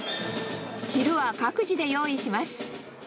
昼は各自で用意します。